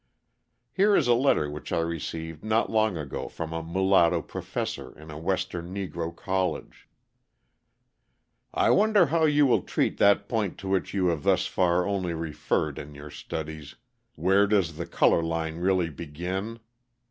Here is a letter which I received not long ago from a mulatto professor in a Western Negro college: "I wonder how you will treat that point to which you have thus far only referred in your studies, 'Where does the colour line really begin?'